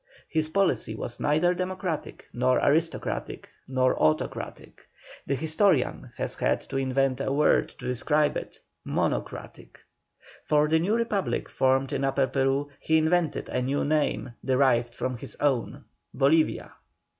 His policy was neither democratic, nor aristocratic, nor autocratic; the historian has had to invent a word to describe it, MONOCRATIC. For the new Republic formed in Upper Peru he invented a new name, derived from his own, BOLIVIA.